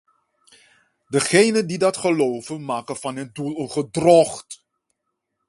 Degenen die dat geloven, maken van hun doel een gedrocht.